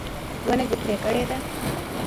ونه دې پرې کړې ده